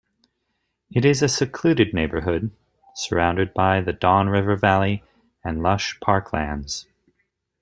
It is a secluded neighbourhood, surrounded by the Don River Valley and lush parklands.